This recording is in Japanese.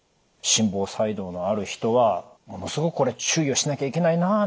心房細動のある人は「ものすごくこれ注意をしなきゃいけないな。